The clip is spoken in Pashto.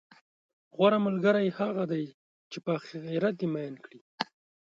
غوره ملګری هغه دی، چې پر اخرت دې میین کړي،